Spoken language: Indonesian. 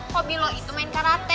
kok bila itu main karate